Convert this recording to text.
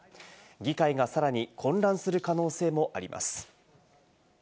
議会がさらに混乱する可能性もあります。